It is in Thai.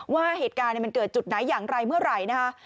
ว่าเหตุการณ์มันเกิดจุดไหนอย่างไรเมื่อไหร่นะคะ